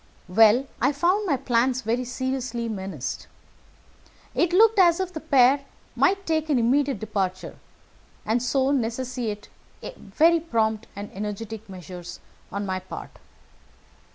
"Well, I found my plans very seriously menaced. It looked as if the pair might take an immediate departure, and so necessitate very prompt and energetic measures on my part.